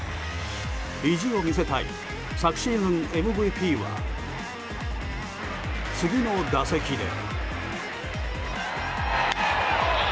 意地を見せたい昨シーズンＭＶＰは次の打席で。